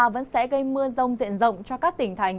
vẫn sẽ gây mưa rông diện rộng cho các tỉnh thành